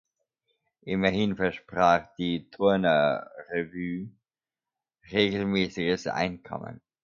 Immerhin versprach die Turner-Revue regelmäßiges Einkommen.